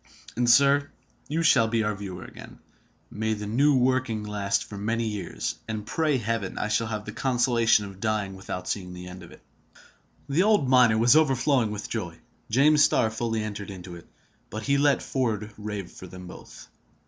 "And, sir, you shall be our viewer again. May the new working last for many years, and pray Heaven I shall have the consolation of dying without seeing the end of it!" The old miner was overflowing with joy. James Starr fully entered into it; but he let Ford rave for them both.